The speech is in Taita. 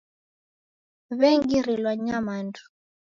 W'engirilwa ni nyamandu.